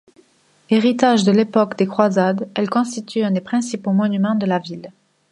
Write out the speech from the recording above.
Héritage de l'époque des Croisades, elle constitue un des principaux monuments de la ville.